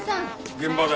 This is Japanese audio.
現場だ。